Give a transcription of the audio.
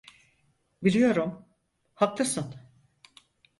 Biliyorum, haklısın.